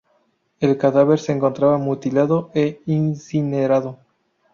El cadáver se encontraba mutilado e incinerado.